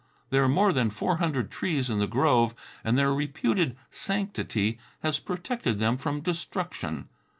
There are more than four hundred trees in the grove and their reputed sanctity has protected them from destruction.